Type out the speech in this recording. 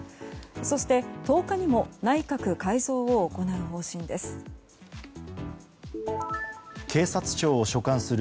そして、１０日にも内閣改造を行う方針です。